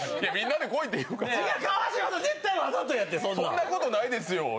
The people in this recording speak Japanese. そんなことないですよ！